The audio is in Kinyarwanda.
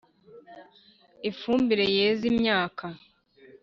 Ifumbire yeza imyaka.